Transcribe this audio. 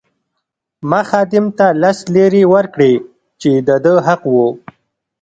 ما خادم ته لس لیرې ورکړې چې د ده حق وو.